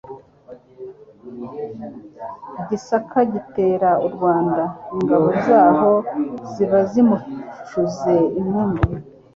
I Gisaka gitera u Rwanda, ingabo z'aho ziba zimucuze inkumbi.